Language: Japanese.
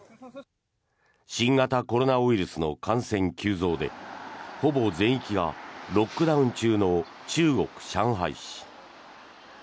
新型コロナウイルスの感染急増でほぼ全域がロックダウン中の中国・上海市。